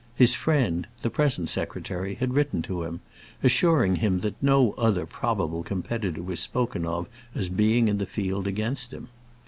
His friend, the present secretary, had written to him, assuring him that no other probable competitor was spoken of as being in the field against him.